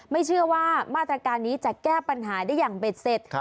ไม่เชื่อว่ามาตรการนี้จะแก้ปัญหาได้อย่างเบ็ดเสร็จ